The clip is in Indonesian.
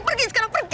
pergi sekarang pergi